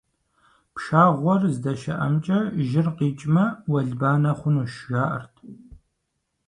Пшагъуэр здэщыӏэмкӏэ жьыр къикӏмэ, уэлбанэ хъунущ, жаӀэрт.